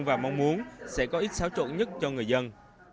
và mong muốn sẽ có ít xáo trộn nhất cho người dân